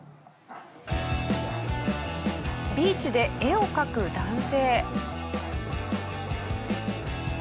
ビーチで絵を描く男性。